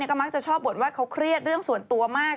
ก็มักจะชอบบทว่าเขาเครียดเรื่องส่วนตัวมาก